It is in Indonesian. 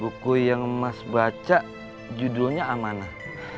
buku yang mas baca judulnya amanah